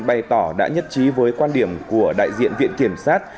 bày tỏ đã nhất trí với quan điểm của đại diện viện kiểm sát